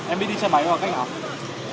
em biết đi xe máy thôi cách nào